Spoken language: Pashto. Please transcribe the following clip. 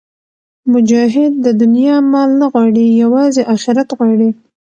مجاهد د دنیا مال نه غواړي، یوازې آخرت غواړي.